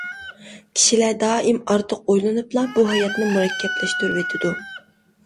كىشىلەر دائىم ئارتۇق ئويلىنىپلا بۇ ھاياتنى مۇرەككەپلەشتۈرۈۋېتىدۇ.